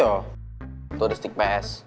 atau ada stick ps